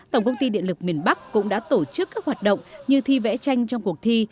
tổng công ty điện lực miền bắc cũng đã tổ chức các hoạt động như thi vẽ tranh trong cuộc thi